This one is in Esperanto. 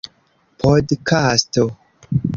podkasto